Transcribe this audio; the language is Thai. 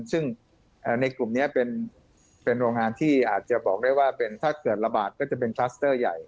ซึ่งในกลุ่มนี้เป็นโรงงานที่อาจจะบอกได้ว่าถ้าเกิดระบาดก็จะเป็นคลัสเตอร์ใหญ่